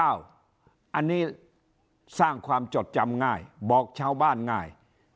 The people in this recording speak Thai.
อันนี้สร้างความจดจำง่ายบอกชาวบ้านง่าย